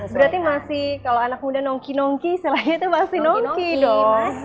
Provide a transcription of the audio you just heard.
berarti masih kalau anak muda nongki nongki istilahnya itu masih nongki dong mas